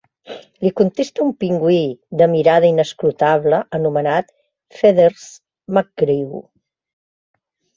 Li contesta un pingüí de mirada inescrutable anomenat Feathers McGraw.